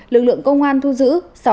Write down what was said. lực lượng công an thu giữ